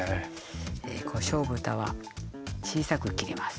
こしょう豚は小さく切ります。